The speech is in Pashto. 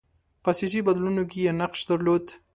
په سیاسي بدلونونو کې یې نقش درلود.